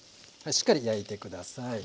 しっかり焼いて下さい。